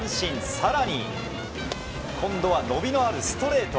更に今度は伸びのあるストレート。